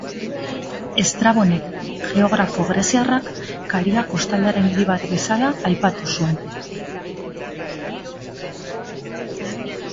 Estrabonek, geografo greziarrak, Karia kostaldearen hiri bat bezala aipatu zuen.